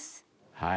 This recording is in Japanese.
はい。